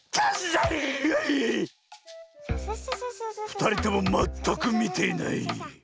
ふたりともまったくみていない。